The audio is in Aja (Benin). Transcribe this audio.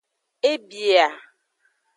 E bia.